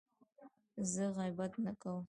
زه غیبت نه کوم.